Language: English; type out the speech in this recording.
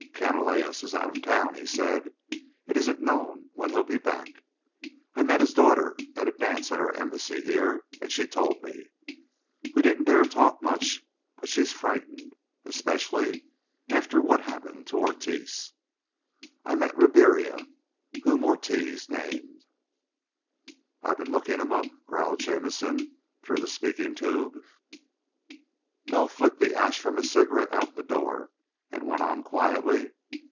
"Canalejas is out of town," he said. "It isn't known when he'll be back. I met his daughter at a dance at our Embassy here, and she told me. We didn't dare to talk much, but she's frightened. Especially after what happened to Ortiz. And I've met Ribiera, whom Ortiz named." "I've been looking him up," growled Jamison through the speaking tube. Bell flicked the ash from his cigarette out the door, and went on quietly.